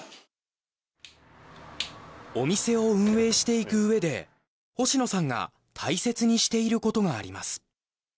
お店を運営していく上で星野さんが大切にしていることがあります。